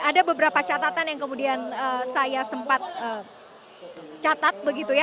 ada beberapa catatan yang kemudian saya sempat catat begitu ya